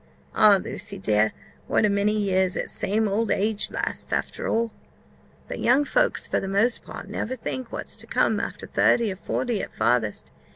Ah, Lucy! dear, what a many years that same old age lasts, after all! But young folks, for the most part, never think what's to come after thirty or forty at farthest.